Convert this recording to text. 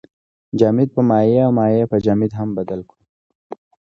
جامد په مایع او مایع په جامد هم بدل کړو.